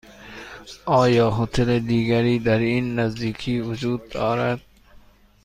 آیا هتل دیگری در این نزدیکی وجود دارد؟